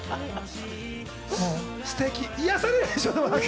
もうステキ！癒やされるでしょ？